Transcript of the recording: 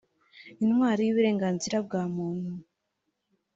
intwari y’ uburenganzira bwa muntu